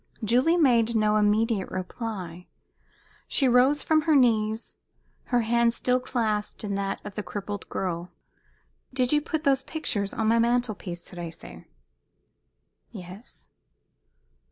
Julie made no immediate reply. She rose from her knees, her hand still clasped in that of the crippled girl. "Did you put those pictures on my mantel piece, Thérèse?" "Yes."